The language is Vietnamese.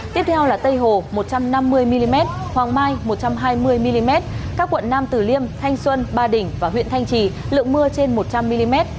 tiếp theo là tây hồ một trăm năm mươi mm hoàng mai một trăm hai mươi mm các quận nam tử liêm thanh xuân ba đỉnh và huyện thanh trì lượng mưa trên một trăm linh mm